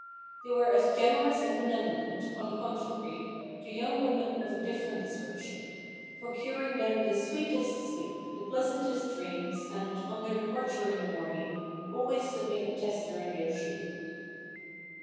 They were as generous and benevolent, on the contrary, to young women of a different description, procuring them the sweetest sleep, the pleasantest dreams, and, on their departure in the morning, always slipping a tester in their shoe.